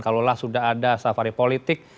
kalaulah sudah ada safari politik